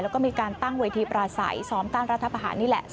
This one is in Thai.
แล้วก็มีการตั้งเวทีปลาใสซ้อมตั้งรัฐบาหารนี่แหละ